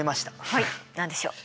はい何でしょう？